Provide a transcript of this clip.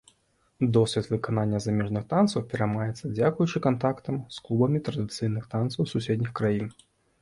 Досвед выканання замежных танцаў пераймаецца дзякуючы кантактам з клубамі традыцыйных танцаў суседніх краін.